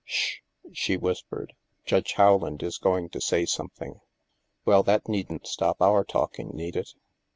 " Sh," she whispered, " Judge Rowland is going to say something." "Well, that needn't stop our talking, need it?"